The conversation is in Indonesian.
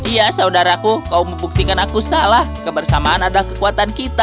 iya saudaraku kau membuktikan aku salah kebersamaan adalah kekuatan kita